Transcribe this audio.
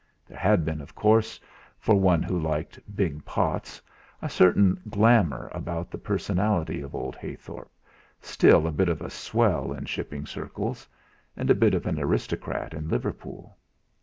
There had been, of course, for one who liked "big pots," a certain glamour about the personality of old Heythorp, still a bit of a swell in shipping circles, and a bit of an aristocrat in Liverpool.